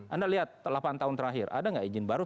anda lihat delapan tahun terakhir ada nggak izin baru